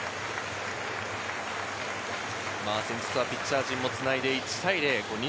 先日はピッチャー陣もつないで１対０。